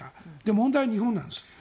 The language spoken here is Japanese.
問題は日本なんです。